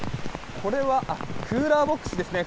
これはクーラーボックスですね。